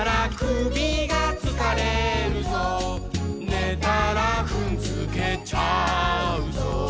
「ねたらふんづけちゃうぞ」